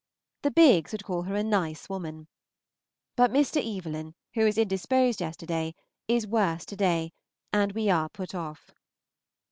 The Biggs would call her a nice woman. But Mr. Evelyn, who was indisposed yesterday, is worse to day, and we are put off.